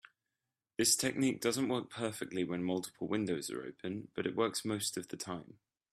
This technique doesn't work perfectly when multiple windows are open, but it works most of the time.